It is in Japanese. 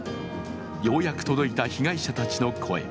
ようやく届いた被害者たちの声。